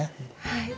はい。